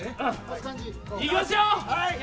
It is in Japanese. いきますよ。